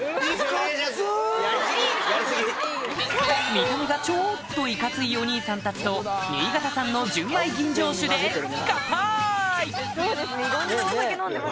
見た目がちょっとイカついお兄さんたちと新潟産の純米吟醸酒でカンパイ！